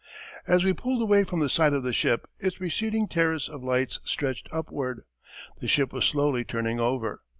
As we pulled away from the side of the ship its receding terrace of lights stretched upward. The ship was slowly turning over.